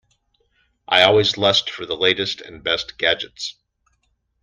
I always lust for the latest and best gadgets.